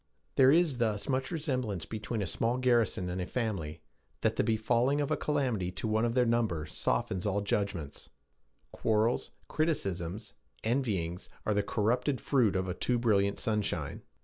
There is thus much resemblance between a small garrison and a family, that the befalling of a calamity to one of their number softens all judgments; quarrels, criticisms, envyings, are the corrupted fruit of a too brilliant sunshine.